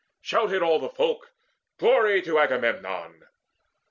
Shouted all the folk, "Glory to Agamemnon!"